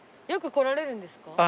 よく来られるんですか？